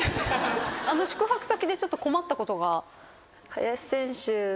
宿泊先でちょっと困ったことが？